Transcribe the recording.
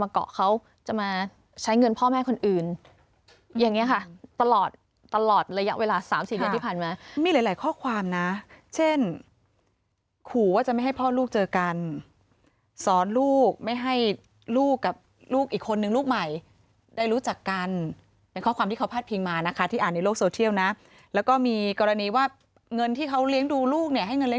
เกาะเขาจะมาใช้เงินพ่อแม่คนอื่นอย่างนี้ค่ะตลอดตลอดระยะเวลา๓๔เดือนที่ผ่านมามีหลายหลายข้อความนะเช่นขู่ว่าจะไม่ให้พ่อลูกเจอกันสอนลูกไม่ให้ลูกกับลูกอีกคนนึงลูกใหม่ได้รู้จักกันเป็นข้อความที่เขาพาดพิงมานะคะที่อ่านในโลกโซเทียลนะแล้วก็มีกรณีว่าเงินที่เขาเลี้ยงดูลูกเนี่ยให้เงิน